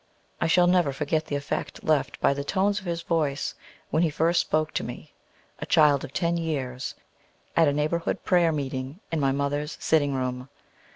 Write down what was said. I shall never forget the effect left by the tones of his voice when he first spoke to me, a child of ten years, at a neighborhood prayer meeting in my mother's sitting room.